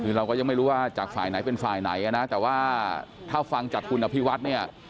คือเราก็ยังไม่รู้ว่าจากฝ่ายไหนเป็นฝ่ายไหนนะแต่ว่าถ้าฟังจากคุณอภิวัฒน์เนี่ย